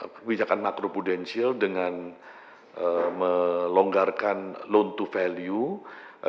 kebijakan makro prudensial dengan melonggarkan loan to value